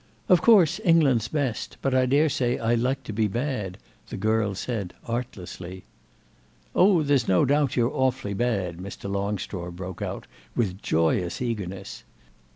"Of course England's best, but I daresay I like to be bad," the girl said artlessly. "Oh there's no doubt you're awfully bad," Mr. Longstraw broke out, with joyous eagerness.